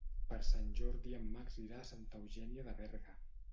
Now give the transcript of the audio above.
Per Sant Jordi en Max irà a Santa Eugènia de Berga.